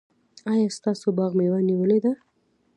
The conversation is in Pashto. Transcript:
ایا ستاسو باغ مېوه نیولې ده؟